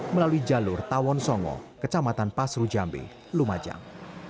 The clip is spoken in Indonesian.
melalui jalur tawon songo kecamatan pasru jambe lumajang